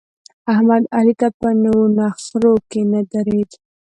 احمد؛ علي ته په نو نخرو کې نه درېد.